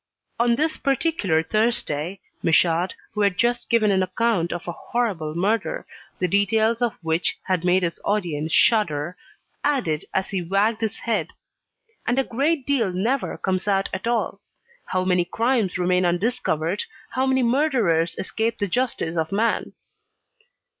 On this particular Thursday, Michaud, who had just given an account of a horrible murder, the details of which had made his audience shudder, added as he wagged his head: "And a great deal never comes out at all. How many crimes remain undiscovered! How many murderers escape the justice of man!"